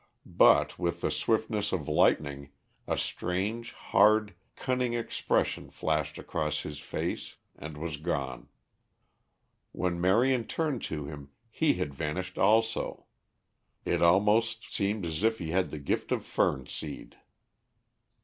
But, with the swiftness of lightning, a strange, hard, cunning expression flashed across his face and was gone. When Marion turned to him he had vanished also. It almost seemed as if he had the gift of fernseed.